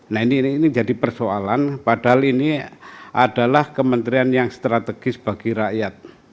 nah ini jadi persoalan padahal ini adalah kementerian yang strategis bagi rakyat